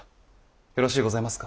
よろしうございますか。